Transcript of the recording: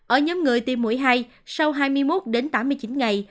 ở nhóm người tiêm mũi hai sau hai mươi một đến tám mươi chín ngày